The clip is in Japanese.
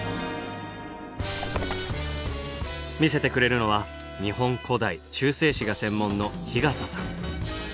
見せてくれるのは日本古代・中世史が専門の笠さん。